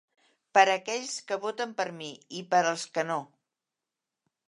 Per a aquells que voten per mi i per als que no.